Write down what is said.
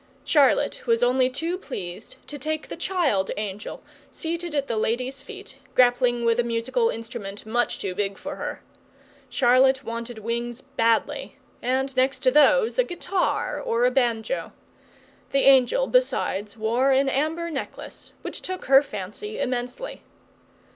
Charlotte was only too pleased to take the child angel seated at the lady's feet, grappling with a musical instrument much too big for her. Charlotte wanted wings badly, and, next to those, a guitar or a banjo. The angel, besides, wore an amber necklace, which took her fancy immensely.